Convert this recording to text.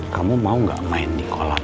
kamu mau gak main di kolam